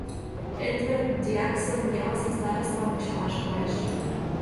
Эдвард дьяксым, ялысе старостам кычалаш кайыш.